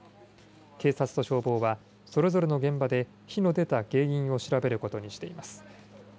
警察と消防はそれぞれの現場で火の出た原因を調べることにしています。